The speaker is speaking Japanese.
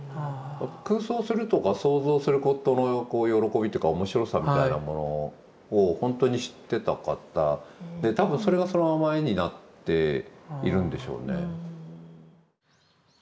空想するとか想像することの喜びっていうか面白さみたいなものをほんとに知ってた方で多分それがそのまま絵になっているんでしょうね。